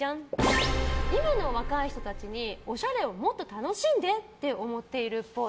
今の若い人たちにおしゃれをもっと楽しんでって思っているっぽい。